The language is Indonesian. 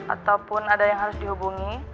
ataupun ada yang harus dihubungi